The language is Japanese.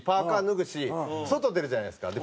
脱ぐし外出るじゃないですか。